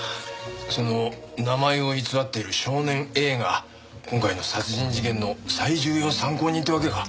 その名前を偽っている少年Ａが今回の殺人事件の最重要参考人ってわけか。